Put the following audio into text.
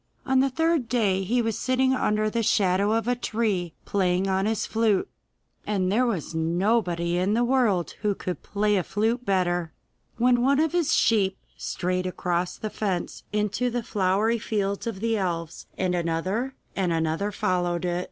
On the third day he was sitting under the shadow of a tree, playing on his flute and there was nobody in the world who could play a flute better when one of his sheep strayed across the fence into the flowery fields of the elves, and another and another followed it.